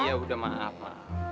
ya udah maaf mak